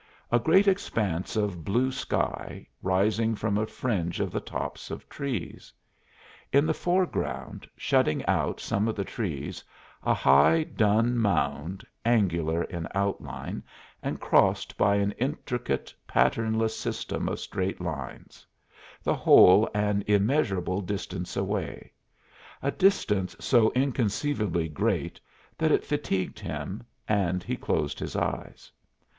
A great expanse of blue sky, rising from a fringe of the tops of trees. In the foreground, shutting out some of the trees, a high, dun mound, angular in outline and crossed by an intricate, patternless system of straight lines; the whole an immeasurable distance away a distance so inconceivably great that it fatigued him, and he closed his eyes.